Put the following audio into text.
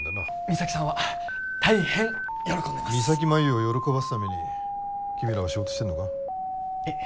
三咲麻有を喜ばすために君らは仕事してんのかえっ？